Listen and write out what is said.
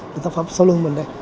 cái tác phẩm sau lưng mình đây